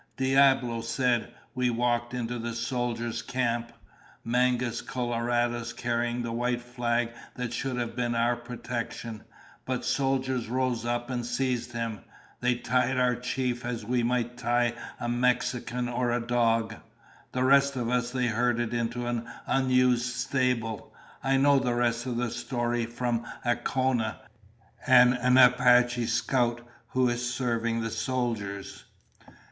Diablo said, "We walked into the soldiers' camp. Mangus Coloradus carried the white flag that should have been our protection, but soldiers rose up and seized him. They tied our chief as we might tie a Mexican, or a dog. The rest of us they herded into an unused stable. I know the rest of the story from Acona, an Apache scout who is serving the soldiers."